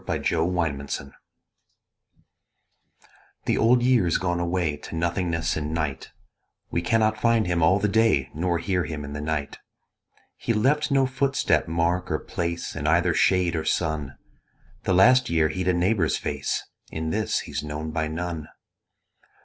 The Old Year The Old Year's gone away To nothingness and night: We cannot find him all the day Nor hear him in the night: He left no footstep, mark or place In either shade or sun: The last year he'd a neighbour's face, In this he's known by none.